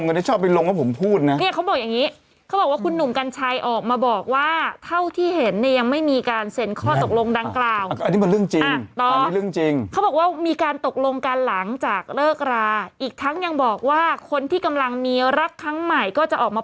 ก็ไปคล้องจองกับครอบครัวเนี่ยมีคนเสียชีวิตทั้งหมด๔คนนะครับ